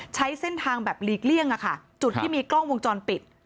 ใช้เส้นทางแบบหลีกเลี่ยงอะค่ะจุดที่มีกล้องวงจรปิด